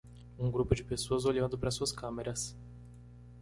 um grupo de pessoas olhando para suas câmeras